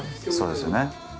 そうですよね。